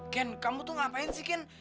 ken kamu tuh ngapain sih ken